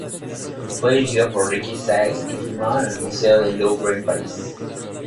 Fue dirigido por Ricky Saiz y filmado en el Museo del Louvre en París.